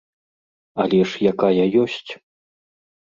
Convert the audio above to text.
Але ж якая ёсць.